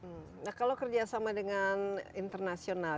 jadi bagaimana kerjasama dengan internasional